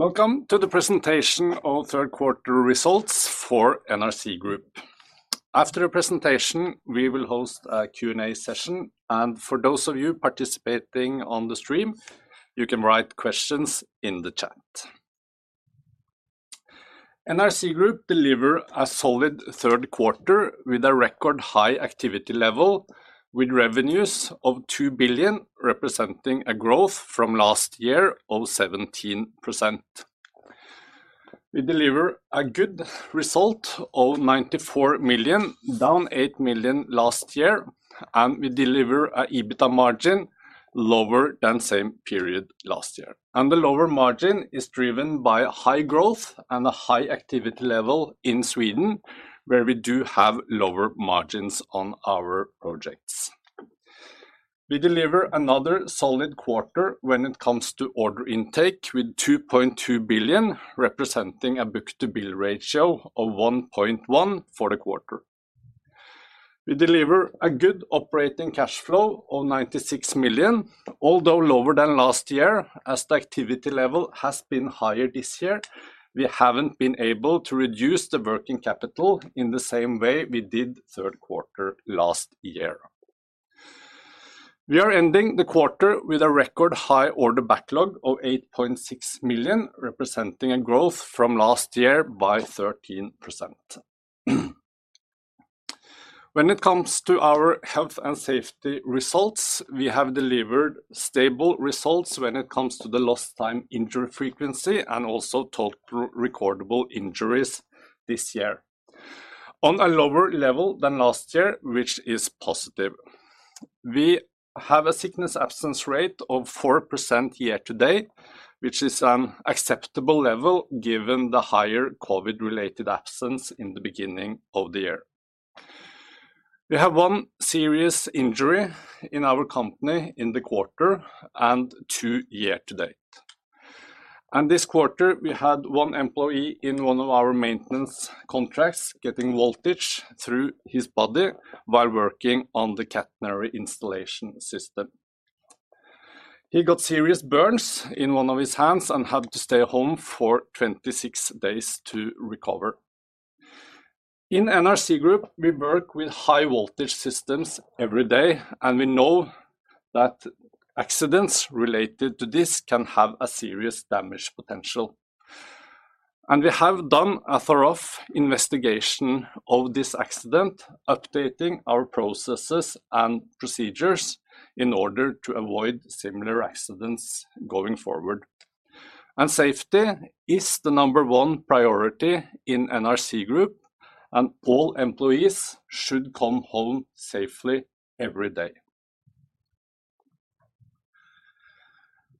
Welcome to the presentation of third quarter results for NRC Group. After the presentation, we will host a Q&A session, and for those of you participating on the stream, you can write questions in the chat. NRC Group deliver a solid third quarter with a record high activity level, with revenues of 2 billion, representing a growth from last year of 17%. We deliver a good result of 94 million, down 8 million last year. We deliver an EBITDA margin lower than same period last year. The lower margin is driven by a high growth and a high activity level in Sweden, where we do have lower margins on our projects. We deliver another solid quarter when it comes to order intake with 2.2 billion, representing a book-to-bill ratio of 1.1 for the quarter. We deliver a good operating cash flow of 96 million. Although lower than last year, as the activity level has been higher this year, we haven't been able to reduce the working capital in the same way we did third quarter last year. We are ending the quarter with a record high order backlog of 8.6 billion, representing a growth from last year by 13%. When it comes to our health and safety results, we have delivered stable results when it comes to the lost time injury frequency and also total recordable injuries this year on a lower level than last year, which is positive. We have a sickness absence rate of 4% year to date, which is an acceptable level given the higher COVID-related absence in the beginning of the year. We have one serious injury in our company in the quarter and two year to date. This quarter, we had one employee in one of our maintenance contracts getting voltage through his body while working on the catenary installation system. He got serious burns in one of his hands and had to stay home for 26 days to recover. In NRC Group, we work with high voltage systems every day, and we know that accidents related to this can have a serious damage potential. We have done a thorough investigation of this accident, updating our processes and procedures in order to avoid similar accidents going forward. Safety is the number one priority in NRC Group, and all employees should come home safely every day.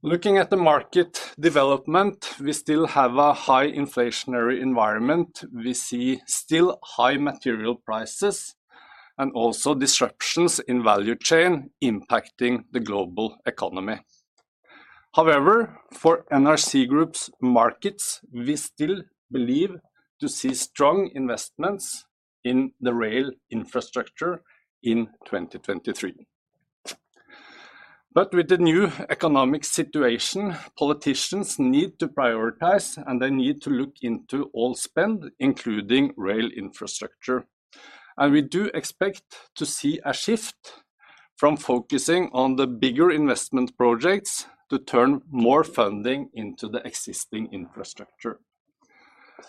Looking at the market development, we still have a high inflationary environment. We see still high material prices and also disruptions in value chain impacting the global economy. However, for NRC Group's markets, we still believe to see strong investments in the rail infrastructure in 2023. With the new economic situation, politicians need to prioritize, and they need to look into all spend, including rail infrastructure. We do expect to see a shift from focusing on the bigger investment projects to turn more funding into the existing infrastructure.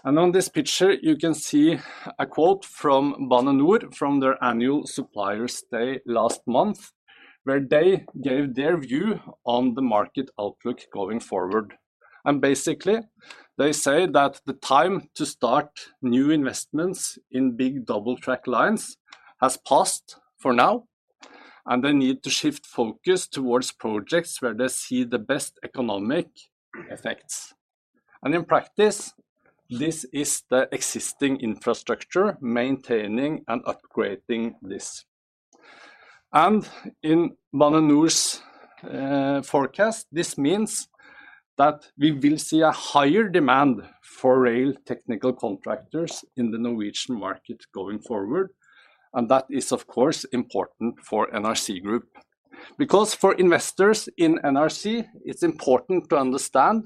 On this picture, you can see a quote from Bane NOR from their annual Suppliers Day last month, where they gave their view on the market outlook going forward. Basically, they say that the time to start new investments in big double-track lines has passed for now, and they need to shift focus towards projects where they see the best economic effects. In practice, this is the existing infrastructure, maintaining and upgrading this. In Bane NOR's forecast, this means that we will see a higher demand for rail technical contractors in the Norwegian market going forward, and that is, of course, important for NRC Group. Because for investors in NRC, it is important to understand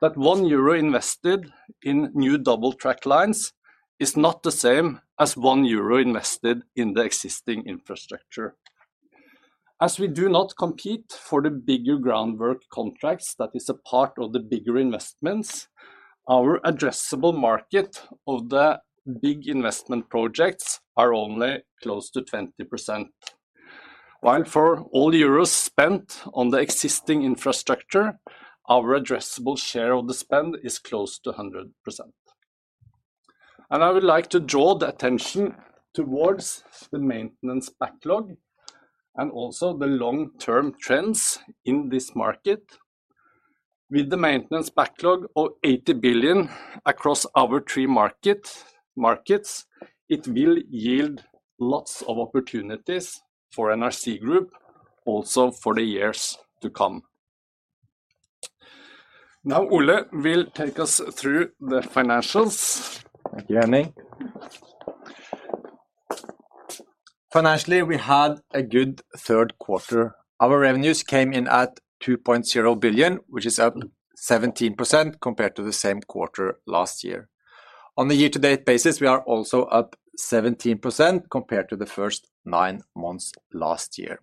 that 1 euro invested in new double-track lines is not the same as 1 euro invested in the existing infrastructure. As we do not compete for the bigger groundwork contracts that is a part of the bigger investments, our addressable market of the big investment projects are only close to 20%, while for all EUR spent on the existing infrastructure, our addressable share of the spend is close to 100%. I would like to draw the attention towards the maintenance backlog and also the long-term trends in this market. With the maintenance backlog of 80 billion across our three markets, it will yield lots of opportunities for NRC Group also for the years to come. Ole will take us through the financials. Thank you, Henning. Financially, we had a good third quarter. Our revenues came in at 2.0 billion, which is up 17% compared to the same quarter last year. On the year-to-date basis, we are also up 17% compared to the first nine months last year.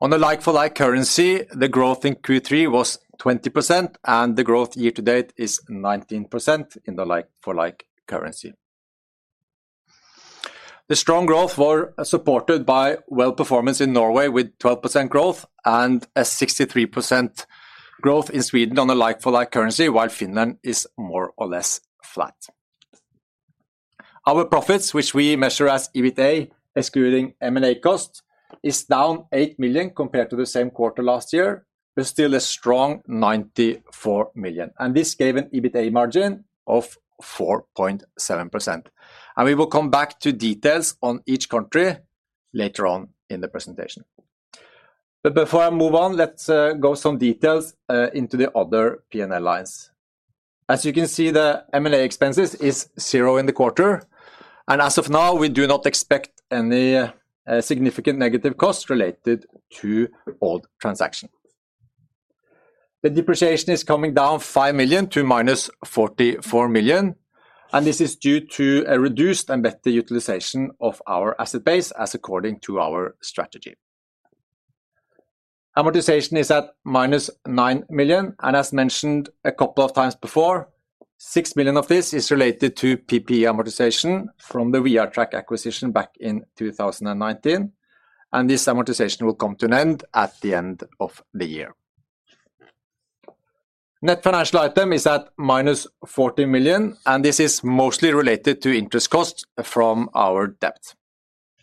On a like-for-like currency, the growth in Q3 was 20%, and the growth year-to-date is 19% in the like-for-like currency. The strong growth was supported by well performance in Norway with 12% growth and a 63% growth in Sweden on a like-for-like currency, while Finland is more or less flat. Our profits, which we measure as EBITDA excluding M&A cost, is down 8 million compared to the same quarter last year but still a strong 94 million. This gave an EBITDA margin of 4.7%. We will come back to details on each country later on in the presentation. Before I move on, let's go some details into the other P&L lines. As you can see, the M&A expenses is 0 in the quarter, and as of now, we do not expect any significant negative costs related to old transactions. The depreciation is coming down 5 million to minus 44 million, and this is due to a reduced and better utilization of our asset base as according to our strategy. Amortization is at minus 9 million, and as mentioned a couple of times before, 6 million of this is related to PPA amortization from the VR Track acquisition back in 2019, and this amortization will come to an end at the end of the year. Net financial item is at minus 40 million, and this is mostly related to interest costs from our debt.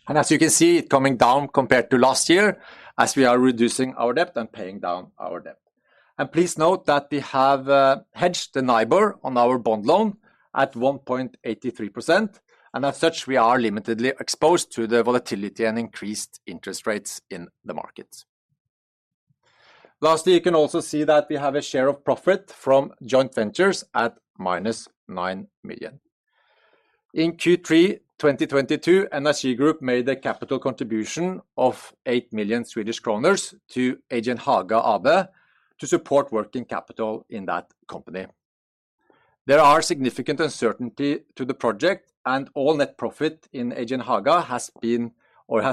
As you can see, coming down compared to last year as we are reducing our debt and paying down our debt. Please note that we have hedged the NIBOR on our bond loan at 1.83%, and as such, we are limitedly exposed to the volatility and increased interest rates in the market. Lastly, you can also see that we have a share of profit from joint ventures at minus 9 million. In Q3 2022, NRC Group made a capital contribution of 8 million Swedish kronor to Agent Haga Abe to support working capital in that company. There are significant uncertainty to the project, and all net profit in Agent Haga has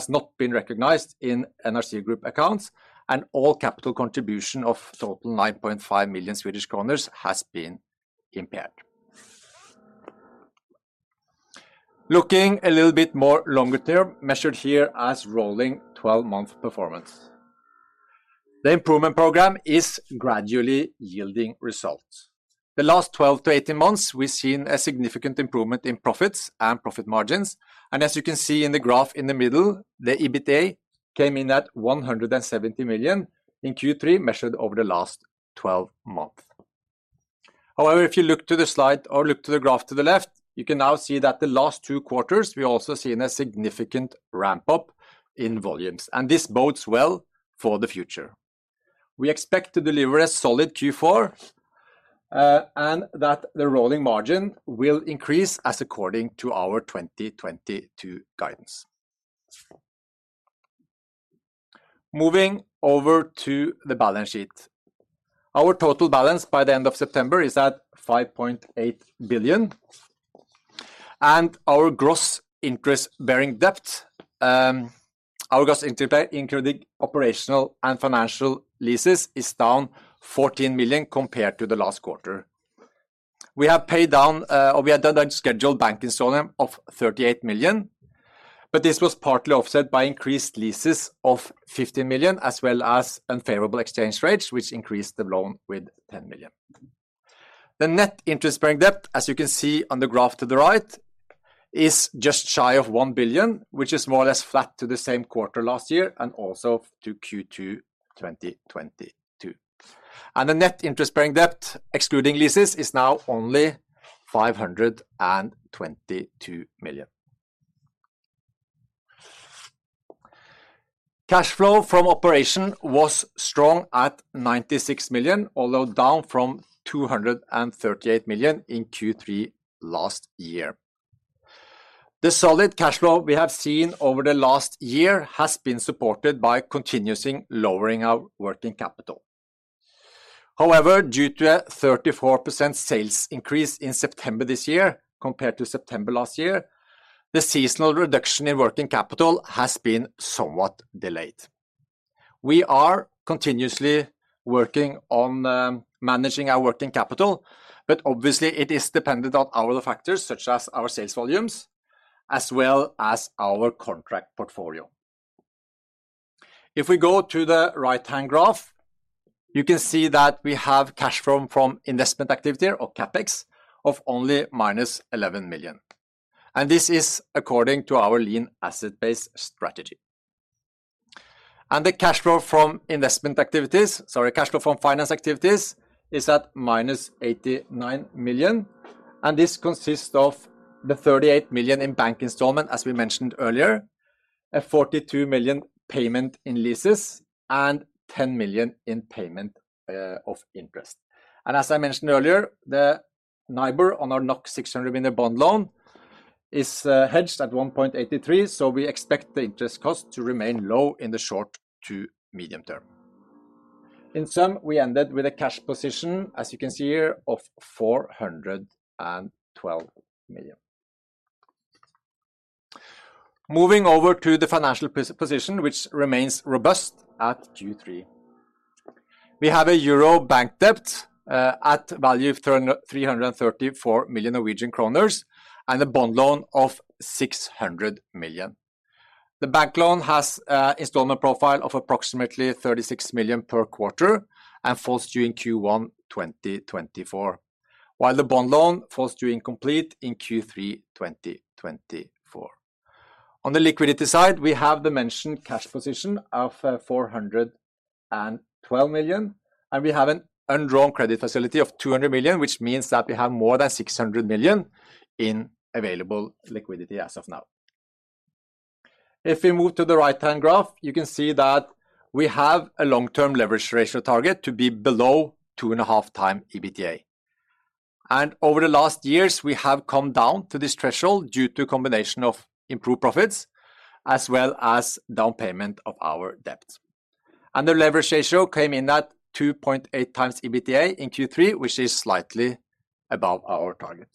not been recognized in NRC Group accounts, and all capital contribution of total 9.5 million Swedish kronor has been impaired. Looking a little bit more longer term, measured here as rolling 12-month performance. The improvement program is gradually yielding results. The last 12-18 months, we've seen a significant improvement in profits and profit margins. As you can see in the graph in the middle, the EBITDA came in at 170 million in Q3, measured over the last 12 months. However, if you look to the slide or look to the graph to the left, you can now see that the last two quarters, we also seen a significant ramp-up in volumes, and this bodes well for the future. We expect to deliver a solid Q4 and that the rolling margin will increase as according to our 2022 guidance. Moving over to the balance sheet. Our total balance by the end of September is at 5.8 billion. Our gross interest-bearing debt, our gross including operational and financial leases, is down 14 million compared to the last quarter. We have done a scheduled bank installment of 38 million, this was partly offset by increased leases of 15 million, as well as unfavorable exchange rates, which increased the loan with 10 million. The net interest-bearing debt, as you can see on the graph to the right, is just shy of 1 billion, which is more or less flat to the same quarter last year and also to Q2 2022. The net interest-bearing debt, excluding leases, is now only 522 million. Cash flow from operation was strong at 96 million, although down from 238 million in Q3 last year. The solid cash flow we have seen over the last year has been supported by continuously lowering our working capital. However, due to a 34% sales increase in September this year compared to September last year, the seasonal reduction in working capital has been somewhat delayed. We are continuously working on managing our working capital, but obviously, it is dependent on factors such as our sales volumes, as well as our contract portfolio. If we go to the right-hand graph, you can see that we have cash flow from investment activity or CapEx of only minus 11 million. This is according to our lean asset-based strategy. The cash flow from finance activities is at minus 89 million, and this consists of the 38 million in bank installment, as we mentioned earlier, a 42 million payment in leases, and 10 million in payment of interest. As I mentioned earlier, the NIBOR on our 600 million bond loan is hedged at 1.83, so we expect the interest cost to remain low in the short to medium term. In sum, we ended with a cash position, as you can see here, of 412 million. Moving over to the financial position, which remains robust at Q3. We have a Euro bank debt at value of 334 million Norwegian kroner and a bond loan of 600 million. The bank loan has installment profile of approximately 36 million per quarter and falls due in Q1 2024, while the bond loan falls due in complete in Q3 2024. On the liquidity side, we have the mentioned cash position of 412 million, and we have an undrawn credit facility of 200 million, which means that we have more than 600 million in available liquidity as of now. If we move to the right-hand graph, you can see that we have a long-term leverage ratio target to be below 2.5 times EBITDA. Over the last years, we have come down to this threshold due to a combination of improved profits as well as down payment of our debt. The leverage ratio came in at 2.8 times EBITDA in Q3, which is slightly above our target.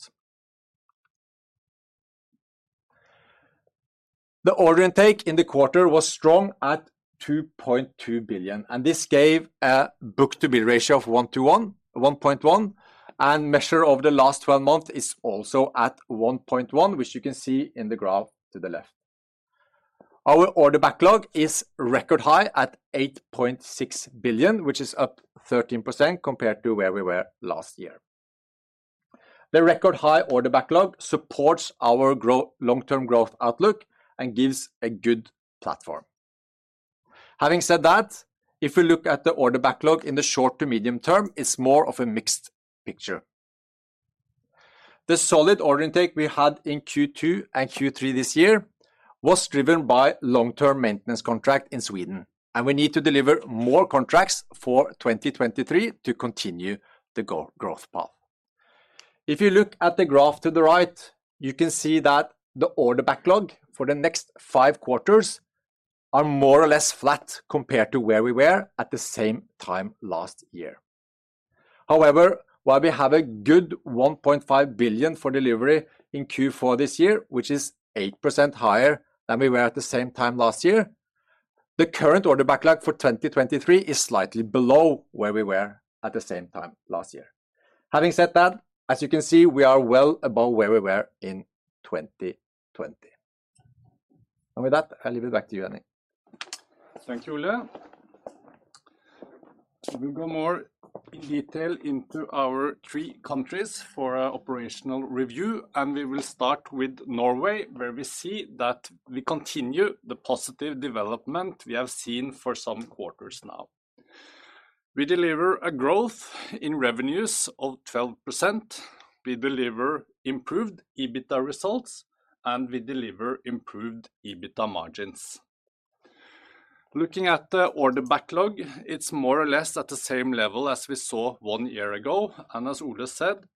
The order intake in the quarter was strong at 2.2 billion, and this gave a book-to-bill ratio of 1.1, and measure over the last 12 months is also at 1.1, which you can see in the graph to the left. Our order backlog is record high at 8.6 billion, which is up 13% compared to where we were last year. The record high order backlog supports our long-term growth outlook and gives a good platform. Having said that, if we look at the order backlog in the short to medium term, it is more of a mixed picture. The solid order intake we had in Q2 and Q3 this year was driven by long-term maintenance contract in Sweden, and we need to deliver more contracts for 2023 to continue the growth path. If you look at the graph to the right, you can see that the order backlog for the next five quarters are more or less flat compared to where we were at the same time last year. However, while we have a good 1.5 billion for delivery in Q4 this year, which is 8% higher than we were at the same time last year, the current order backlog for 2023 is slightly below where we were at the same time last year. Having said that, as you can see, we are well above where we were in 2020. With that, I leave it back to you, Henning. Thank you, Ole. We'll go more in detail into our three countries for our operational review. We will start with Norway, where we see that we continue the positive development we have seen for some quarters now. We deliver a growth in revenues of 12%. We deliver improved EBITDA results. We deliver improved EBITDA margins. Looking at the order backlog, it's more or less at the same level as we saw one year ago. As Ole said,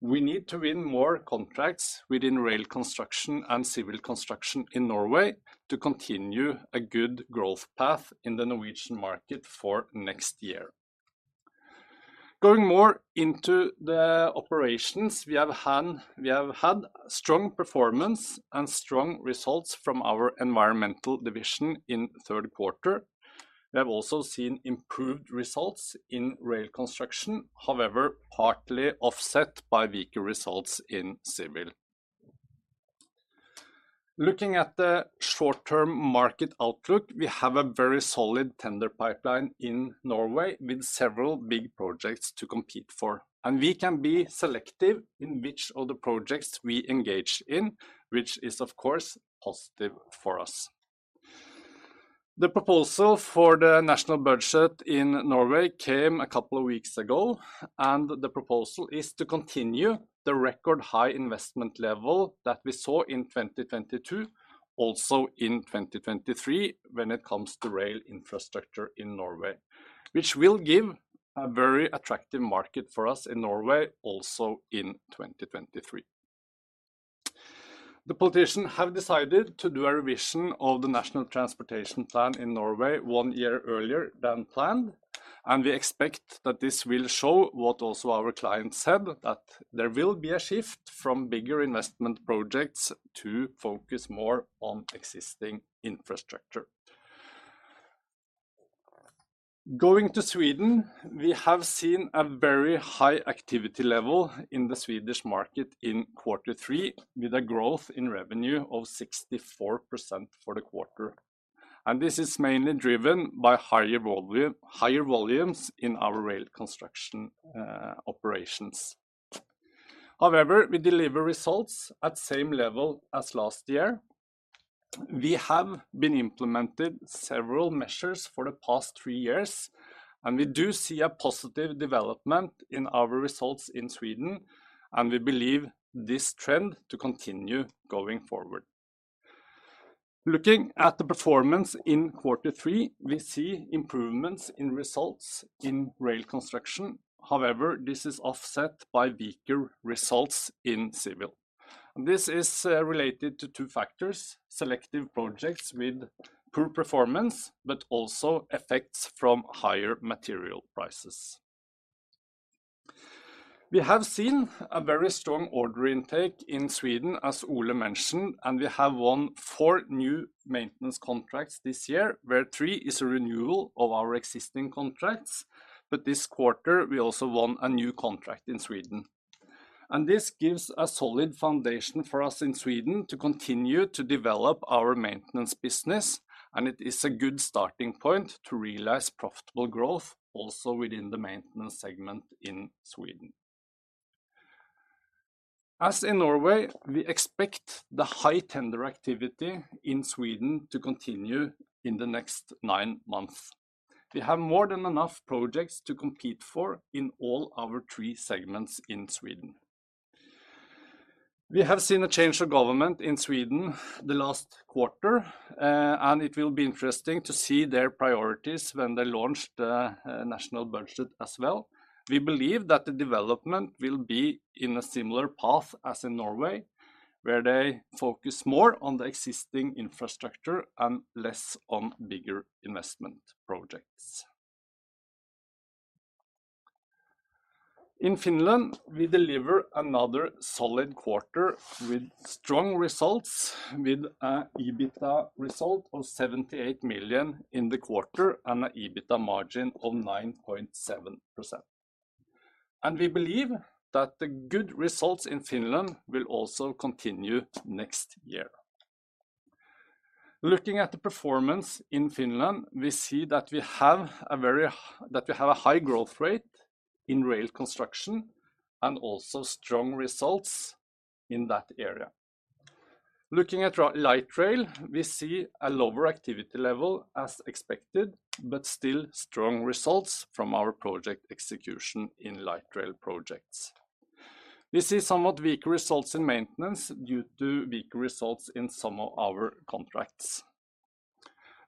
we need to win more contracts within rail construction and civil construction in Norway to continue a good growth path in the Norwegian market for next year. Going more into the operations, we have had strong performance and strong results from our environmental division in third quarter. We have also seen improved results in rail construction, however, partly offset by weaker results in civil. Looking at the short-term market outlook, we have a very solid tender pipeline in Norway with several big projects to compete for. We can be selective in which of the projects we engage in, which is, of course, positive for us. The proposal for the national budget in Norway came a couple of weeks ago. The proposal is to continue the record high investment level that we saw in 2022, also in 2023 when it comes to rail infrastructure in Norway, which will give a very attractive market for us in Norway also in 2023. The politicians have decided to do a revision of the National Transportation Plan in Norway one year earlier than planned. We expect that this will show what also our clients said, that there will be a shift from bigger investment projects to focus more on existing infrastructure. Going to Sweden, we have seen a very high activity level in the Swedish market in quarter three with a growth in revenue of 64% for the quarter. This is mainly driven by higher volumes in our rail construction operations. However, we deliver results at same level as last year. We have been implemented several measures for the past three years. We do see a positive development in our results in Sweden. We believe this trend to continue going forward. Looking at the performance in quarter three, we see improvements in results in rail construction. However, this is offset by weaker results in civil. This is related to two factors: selective projects with poor performance, but also effects from higher material prices. We have seen a very strong order intake in Sweden, as Ole mentioned. We have won four new maintenance contracts this year, where three is a renewal of our existing contracts. This quarter, we also won a new contract in Sweden. This gives a solid foundation for us in Sweden to continue to develop our maintenance business. It is a good starting point to realize profitable growth also within the maintenance segment in Sweden. As in Norway, we expect the high tender activity in Sweden to continue in the next nine months. We have more than enough projects to compete for in all our three segments in Sweden. We have seen a change of government in Sweden the last quarter. It will be interesting to see their priorities when they launch the national budget as well. We believe that the development will be in a similar path as in Norway, where they focus more on the existing infrastructure and less on bigger investment projects. In Finland, we deliver another solid quarter with strong results, with an EBITDA result of 78 million in the quarter and an EBITDA margin of 9.7%. We believe that the good results in Finland will also continue next year. Looking at the performance in Finland, we see that we have a high growth rate in rail construction and also strong results in that area. Looking at light rail, we see a lower activity level as expected, but still strong results from our project execution in light rail projects. We see somewhat weaker results in maintenance due to weaker results in some of our contracts.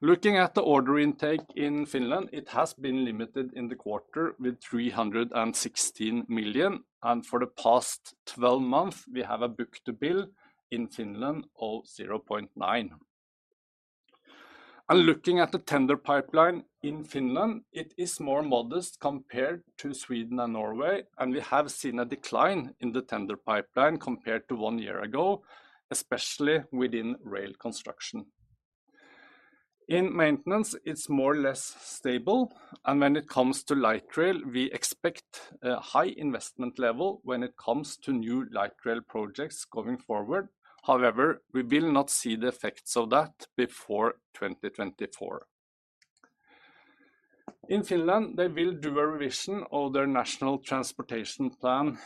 Looking at the order intake in Finland, it has been limited in the quarter with 316 million, and for the past 12 months, we have a book-to-bill in Finland of 0.9. Looking at the tender pipeline in Finland, it is more modest compared to Sweden and Norway, and we have seen a decline in the tender pipeline compared to one year ago, especially within rail construction. In maintenance, it is more or less stable. When it comes to light rail, we expect a high investment level when it comes to new light rail projects going forward. However, we will not see the effects of that before 2024. In Finland, they will do a revision of their National Transportation Plan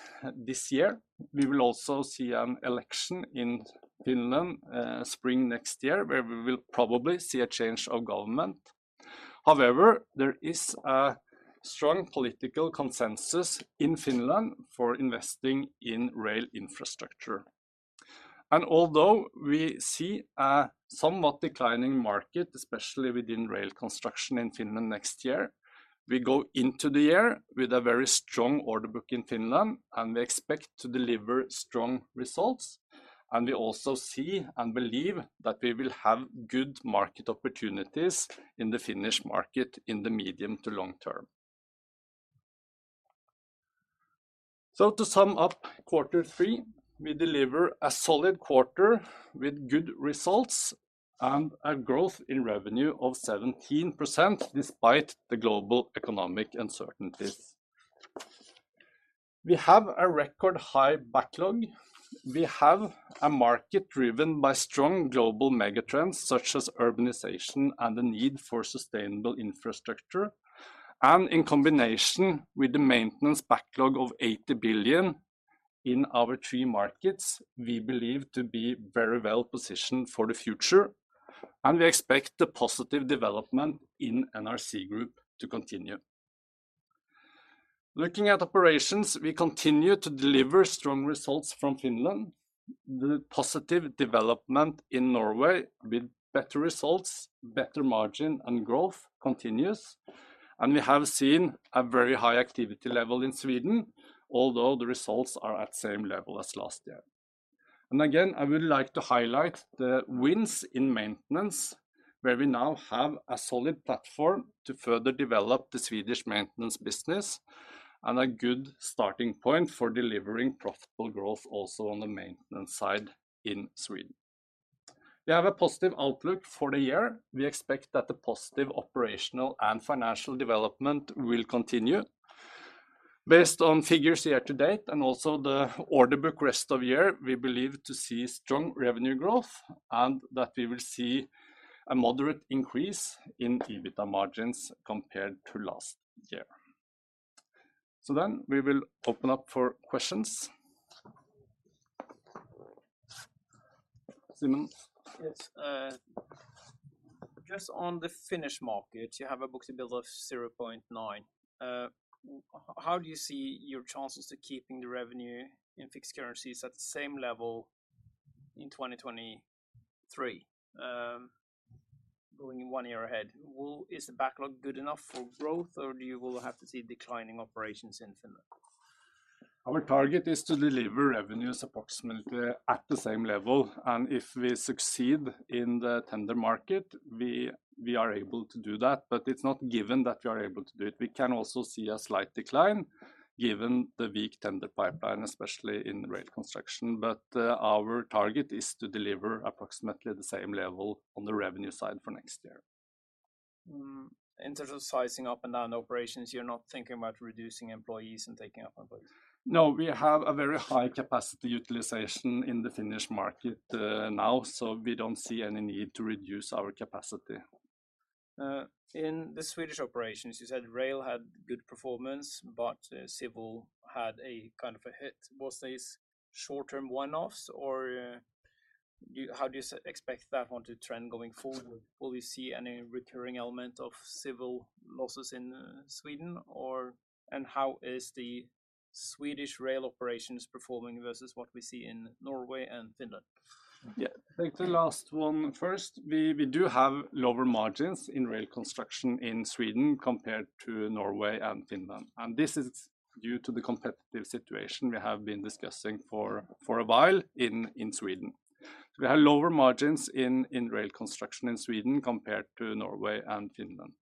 this year. We will also see an election in Finland, spring next year, where we will probably see a change of government. However, there is a strong political consensus in Finland for investing in rail infrastructure. Although we see a somewhat declining market, especially within rail construction in Finland next year, we go into the year with a very strong order book in Finland, and we expect to deliver strong results. We also see and believe that we will have good market opportunities in the Finnish market in the medium to long term. To sum up quarter three, we deliver a solid quarter with good results and a growth in revenue of 17%, despite the global economic uncertainties. We have a record high backlog. We have a market driven by strong global mega trends, such as urbanization and the need for sustainable infrastructure. In combination with the maintenance backlog of 80 billion in our three markets, we believe to be very well positioned for the future, and we expect the positive development in NRC Group to continue. Looking at operations, we continue to deliver strong results from Finland. The positive development in Norway with better results, better margin, and growth continues. We have seen a very high activity level in Sweden, although the results are at same level as last year. Again, I would like to highlight the wins in maintenance, where we now have a solid platform to further develop the Swedish maintenance business and a good starting point for delivering profitable growth also on the maintenance side in Sweden. We have a positive outlook for the year. We expect that the positive operational and financial development will continue. Based on figures year to date and also the order book rest of year, we believe to see strong revenue growth and that we will see a moderate increase in EBITDA margins compared to last year. We will open up for questions. Simon? Yes. Just on the Finnish market, you have a book-to-bill of 0.9. How do you see your chances of keeping the revenue in fixed currencies at the same level in 2023, going one year ahead? Is the backlog good enough for growth, or you will have to see declining operations in Finland? Our target is to deliver revenues approximately at the same level, and if we succeed in the tender market, we are able to do that. It's not given that we are able to do it. We can also see a slight decline given the weak tender pipeline, especially in rail construction. Our target is to deliver approximately the same level on the revenue side for next year. In terms of sizing up and down operations, you're not thinking about reducing employees and taking up outputs? No, we have a very high capacity utilization in the Finnish market now, so we don't see any need to reduce our capacity. In the Swedish operations, you said rail had good performance, but civil had a hit. Was this short-term one-offs, or how do you expect that one to trend going forward? Will we see any recurring element of civil losses in Sweden, and how is the Swedish rail operations performing versus what we see in Norway and Finland? Take the last one first. We do have lower margins in rail construction in Sweden compared to Norway and Finland. This is due to the competitive situation we have been discussing for a while in Sweden. We have lower margins in rail construction in Sweden compared to Norway and Finland.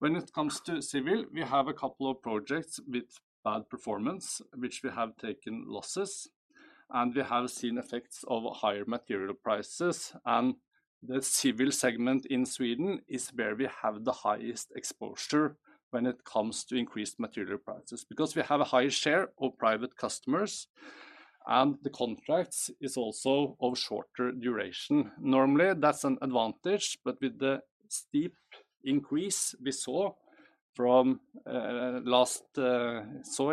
When it comes to civil, we have a couple of projects with bad performance, which we have taken losses, and we have seen effects of higher material prices. The civil segment in Sweden is where we have the highest exposure when it comes to increased material prices, because we have a higher share of private customers, and the contracts is also of shorter duration. Normally, that's an advantage, but with the steep increase we saw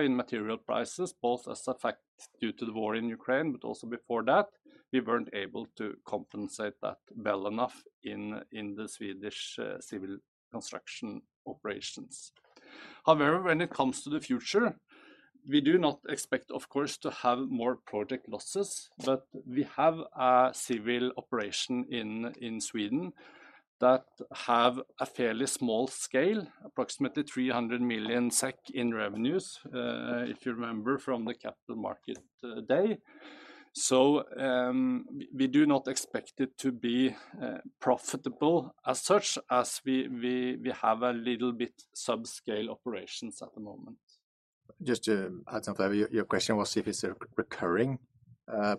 in material prices, both as effect due to the war in Ukraine, but also before that, we weren't able to compensate that well enough in the Swedish civil construction operations. However, when it comes to the future, we do not expect, of course, to have more project losses. We have a civil operation in Sweden that have a fairly small scale, approximately 300 million SEK in revenues, if you remember from the Capital Market Day. We do not expect it to be profitable as such, as we have a little bit subscale operations at the moment. Just to add, Sverre, your question was if it's a recurring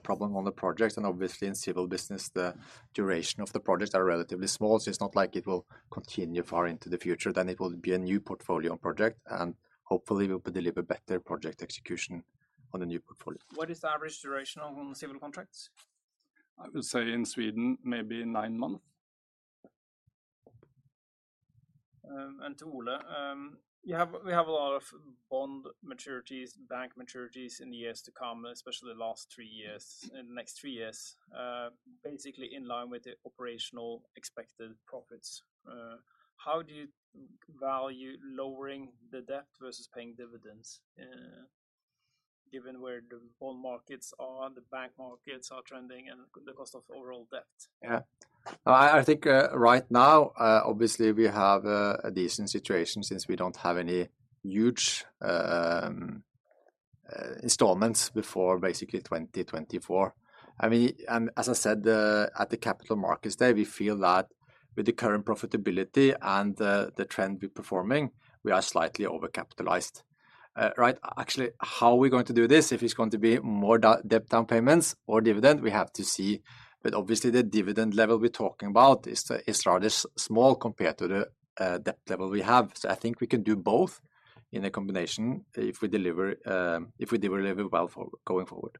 problem on the project, obviously in civil business, the duration of the projects are relatively small. It's not like it will continue far into the future. It will be a new portfolio project, hopefully we'll deliver better project execution on the new portfolio. What is the average duration on civil contracts? I would say in Sweden, maybe nine months. To Ole. We have a lot of bond maturities, bank maturities in the years to come, especially the next three years, basically in line with the operational expected profits. How do you value lowering the debt versus paying dividends, given where the bond markets are, the bank markets are trending, and the cost of overall debt? Yeah. I think right now, obviously we have a decent situation since we don't have any huge installments before basically 2024. As I said at the Capital Markets Day, we feel that with the current profitability and the trend we're performing, we are slightly over-capitalized. Right? Actually, how we're going to do this, if it's going to be more debt down payments or dividend, we have to see. Obviously the dividend level we're talking about is rather small compared to the debt level we have. I think we can do both in a combination if we deliver well going forward.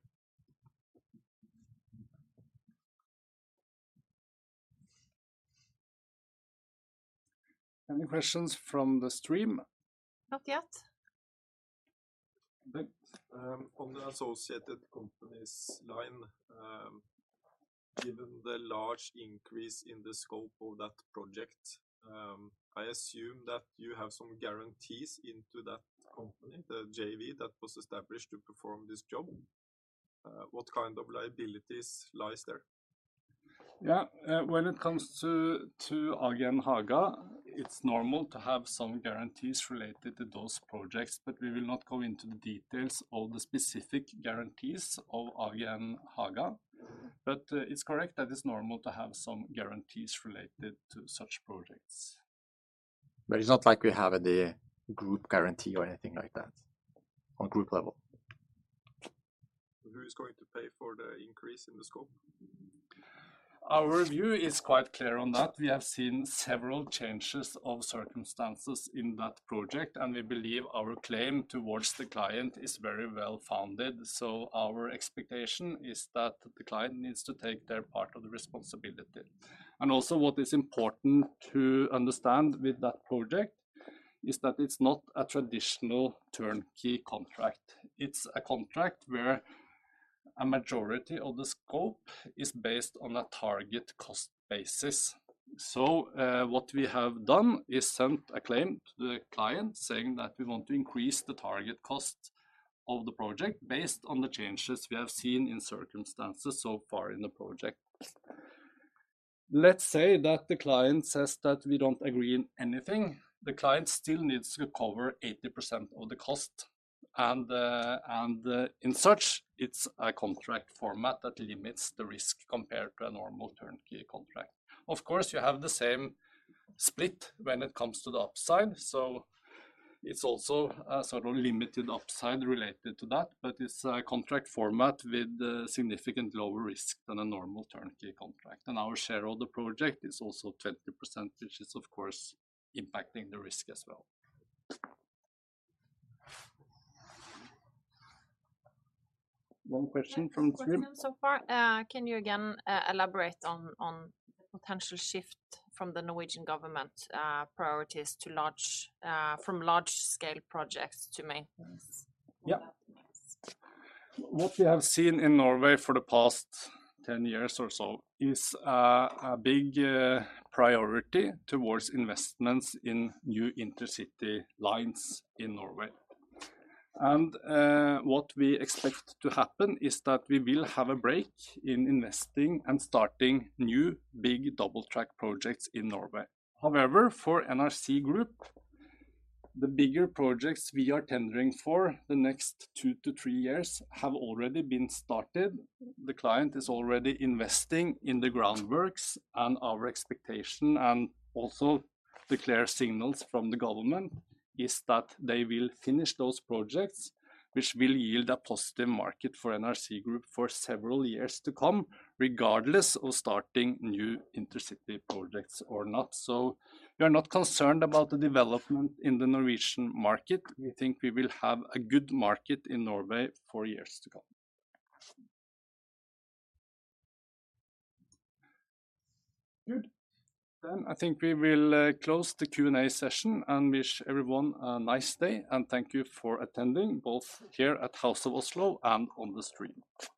Any questions from the stream? Not yet. Thanks. On the associated companies line, given the large increase in the scope of that project, I assume that you have some guarantees into that company, the JV that was established to perform this job. What kind of liabilities lies there? Yeah. When it comes to AG and Haga, it's normal to have some guarantees related to those projects, we will not go into the details of the specific guarantees of AG and Haga. It's correct that it's normal to have some guarantees related to such projects. It's not like we have any group guarantee or anything like that on group level. Who is going to pay for the increase in the scope? Our view is quite clear on that. We have seen several changes of circumstances in that project, we believe our claim towards the client is very well-founded. Our expectation is that the client needs to take their part of the responsibility. Also what is important to understand with that project is that it's not a traditional turnkey contract. It's a contract where a majority of the scope is based on a target cost basis. What we have done is sent a claim to the client saying that we want to increase the target cost of the project based on the changes we have seen in circumstances so far in the project. Let's say that the client says that we don't agree on anything, the client still needs to cover 80% of the cost, in such, it's a contract format that limits the risk compared to a normal turnkey contract. Of course, you have the same split when it comes to the upside. It's also a sort of limited upside related to that, but it's a contract format with significantly lower risk than a normal turnkey contract. Our share of the project is also 20%, which is, of course, impacting the risk as well. One question from the stream. One question so far. Can you again elaborate on the potential shift from the Norwegian government priorities from large-scale projects to maintenance? What we have seen in Norway for the past 10 years or so is a big priority towards investments in new InterCity lines in Norway. What we expect to happen is that we will have a break in investing and starting new big double-track projects in Norway. However, for NRC Group, the bigger projects we are tendering for the next two to three years have already been started. The client is already investing in the groundworks, and our expectation, and also the clear signals from the government, is that they will finish those projects, which will yield a positive market for NRC Group for several years to come, regardless of starting new InterCity projects or not. We are not concerned about the development in the Norwegian market. We think we will have a good market in Norway for years to come. Good. I think we will close the Q&A session and wish everyone a nice day, and thank you for attending, both here at House of Oslo and on the stream.